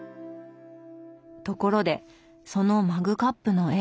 ところでそのマグカップの絵。